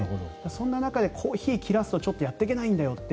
そんな中で、コーヒーを切らすとやっていけないんだよって